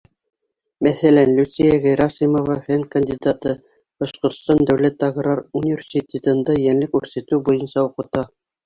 Мәҫәлән, Люциә Герасимова — фән кандидаты, Башҡортостан дәүләт аграр университетында йәнлек үрсетеү буйынса уҡыта.